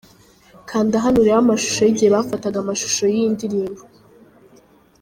Kanda hano urebe amashusho y'igihe bafataga amashusho iy'iyi ndirimbo.